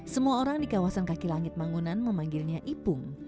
semua orang di kawasan kaki langit mangunan memanggilnya ipung